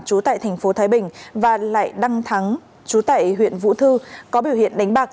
trú tại thành phố thái bình và lại đăng thắng chú tại huyện vũ thư có biểu hiện đánh bạc